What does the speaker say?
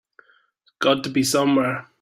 It's got to be somewhere.